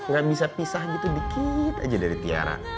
gak bisa pisah gitu dikit aja dari tiara